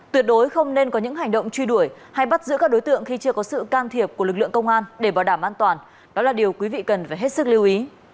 tuyệt đối không nên có những hành động truy đuổi hay bắt giữ các đối tượng khi chưa có sự can thiệp của lực lượng công an để bảo đảm an toàn đó là điều quý vị cần phải hết sức lưu ý